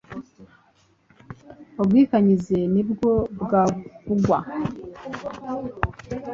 Ubwikanyize ni bwo bwavugwa.